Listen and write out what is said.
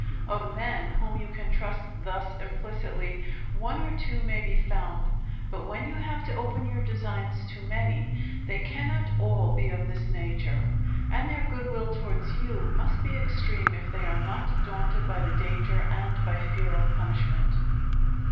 Of men whom you can trust thus implicitly, one or two may be found; but when you have to open your designs to many, they cannot all be of this nature; and their goodwill towards you must be extreme if they are not daunted by the danger and by fear of punishment.